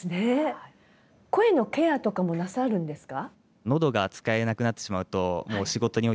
声のケアとかもなさるんですか？